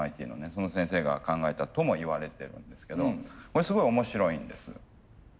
その先生が考えたともいわれているんですけどこれすごい面白いんです。